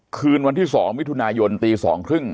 คืนวันที่๒มิถุนายนตี๒๓๐